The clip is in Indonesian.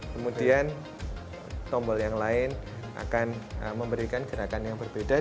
kemudian tombol yang lain akan memberikan gerakan yang berbeda